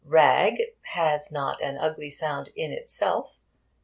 'Ragg' has not an ugly sound in itself.